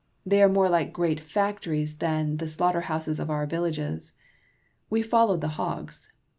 They are more Hke great factories than the slaughterhouses of our villages. We follow the hogs.